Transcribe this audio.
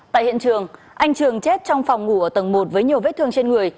tại hiện trường anh trường chết trong phòng ngủ ở tầng một với nhiều vết thương trên người